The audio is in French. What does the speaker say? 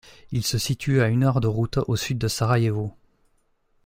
Il se situe à une heure de route au sud de Sarajevo.